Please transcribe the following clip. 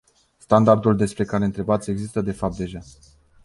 Standardul despre care întrebați există de fapt deja.